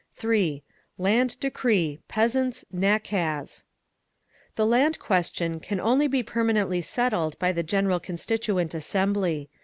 3. LAND DECREE—PEASANTS' "NAKAZ" The Land question can only be permanently settled by the general Constituent Assembly.